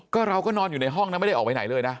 ก็เราก็นอนอยู่ในห้องนะไม่ได้ออกไปไหนเลยนะ